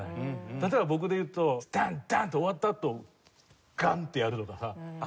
例えば僕で言うとダンダン！って終わったあとガンッ！ってやるとかさ。